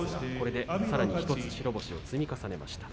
さらに１つ白星を積み重ねました。